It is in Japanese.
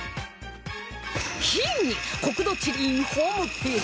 秘技国土地理院ホームページ